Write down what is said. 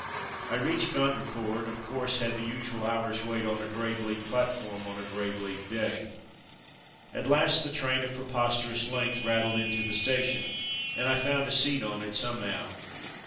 I reached Gondricourt, and of course had the usual hour's wait on a grey, bleak platform, on a grey, bleak day At last the train of preposterous length rattled into the station, and I found a seat on it somehow.